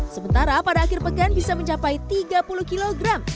sementara pada akhir pekan bisa mencapai tiga puluh kg